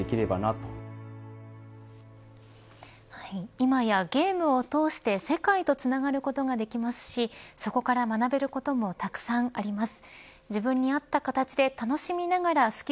今やゲームを通して世界とつながることができますしそこから学べることもたくさんあります。